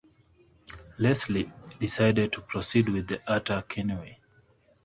Leslie decided to proceed with the attack anyway.